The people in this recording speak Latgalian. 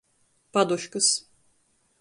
Poduškas.